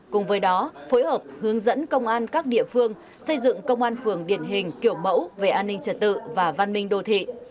cùng với đó phối hợp hướng dẫn công an các địa phương xây dựng công an phường điển hình kiểu mẫu về an ninh trật tự và văn minh đô thị